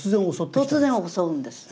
突然襲うんです。